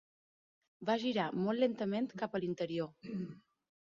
Va girar molt lentament cap a l'interior.